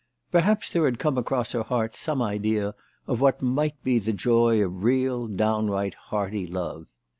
Perhaps there had come across her heart some idea of what might be the joy of real, downright, hearty love.